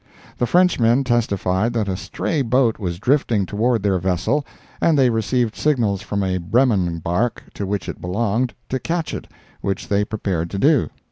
The Frenchmen testified that a stray boat was drifting toward their vessel, and they received signals from a Bremen bark, to which it belonged, to catch it, which they prepared to do.